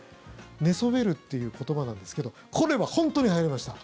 寝そべるという言葉なんですけどこれは本当にはやりました。